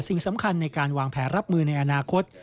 สิ่งสำคัญในการวางแผนรับมือในอนาคต